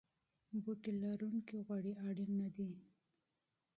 بوټي لرونکي غوړي اړین نه دي.